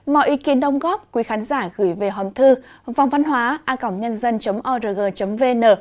mọi ý kiến đồng góp quý khán giả gửi về hòm thư vòngvănhoaamn org vn